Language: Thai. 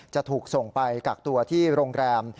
จะถูกส่งไปกักตัวที่โรงแรม